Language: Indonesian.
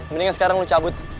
mendingan sekarang lo cabut